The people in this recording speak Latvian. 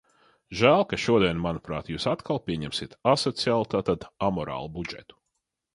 Žēl, ka šodien, manuprāt, jūs atkal pieņemsiet asociālu, tātad amorālu budžetu.